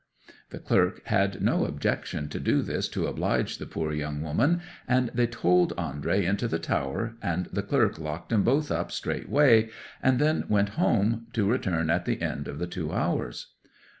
'The clerk had no objection to do this to oblige the poor young woman, and they toled Andrey into the tower, and the clerk locked 'em both up straightway, and then went home, to return at the end of the two hours.